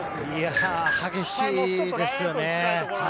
激しいですよね。